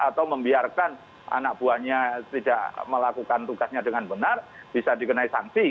atau membiarkan anak buahnya tidak melakukan tugasnya dengan benar bisa dikenai sanksi